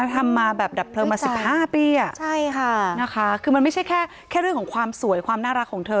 ทำมาแบบดับเพลิงมา๑๕ปีอะนะคะคือมันไม่ใช่แค่เรื่องของความสวยความน่ารักของเธอ